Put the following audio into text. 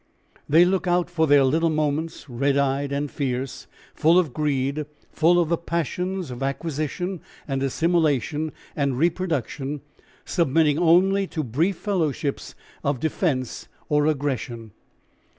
They look out for their little moments, red eyed and fierce, full of greed, full of the passions of acquisition and assimilation and reproduction, submitting only to brief fellowships of defence or aggression.